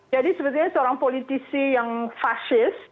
jadi sebetulnya seorang politisi yang fasis